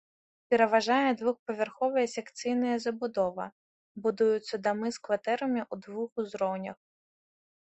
Пераважае двухпавярховая секцыйная забудова, будуюцца дамы з кватэрамі ў двух узроўнях.